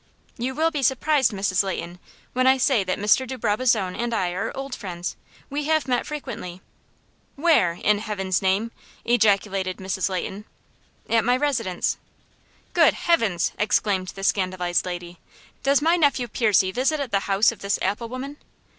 "You will be surprised, Mrs. Leighton, when I say that Mr. de Brabazon and I are old friends. We have met frequently." "Where, in Heaven's name?" ejaculated Mrs. Leighton. "At my residence." "Good Heavens!" exclaimed the scandalized lady. "Does my nephew Percy visit at the house of this apple woman?"